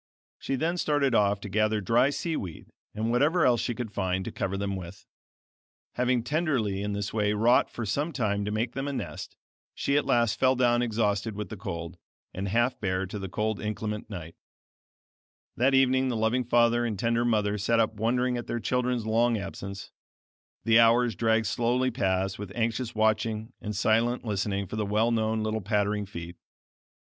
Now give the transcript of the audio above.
She then started off to gather dry sea weed, and whatever else she could find, to cover them with. Having tenderly in this way wrought for some time to make them a nest, she at last fell down exhausted with the cold, and half bare to the cold inclement night. That evening the loving father and tender mother sat up wondering at their children's long absence; the hours dragged slowly past with anxious watching and silent listening for the well known little pattering feet.